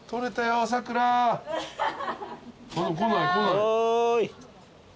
おい。